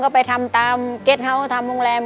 ก็ไปทำตามเกฟท้าวท์ทำโรงแรม